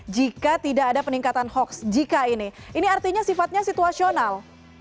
jika tidak ada peningkatan hoax jika ini ini artinya sifatnya situasional